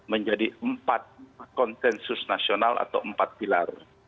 menjadi empat konsensus nasional atau empat pilar